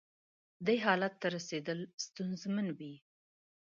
دې حالت رسېدل ستونزمن وي.